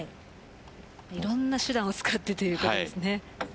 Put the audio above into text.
いろんな手段を使ってということですね。